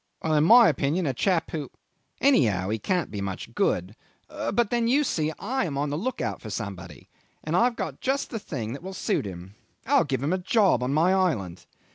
"Well, in my opinion a chap who ... Anyhow, he can't be much good; but then you see I am on the look out for somebody, and I've just got a thing that will suit him. I'll give him a job on my island."